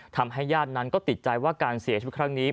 ทำให้ญาตินั้นก็ติดใจว่าการเสียชีวิตครั้งนี้